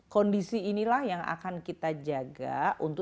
kondisi inilah yang akan kita jaga untuk dua ribu dua puluh tiga